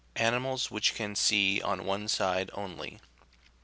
ANIMALS WHICH CAN SEE ON ONE SIDE ONLY.